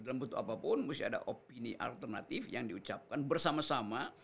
dalam bentuk apapun mesti ada opini alternatif yang diucapkan bersama sama